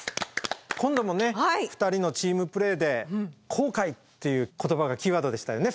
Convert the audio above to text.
今度も２人のチームプレーで「後悔」っていう言葉がキーワードでしたよね